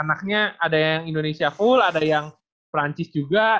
anaknya ada yang indonesia full ada yang perancis juga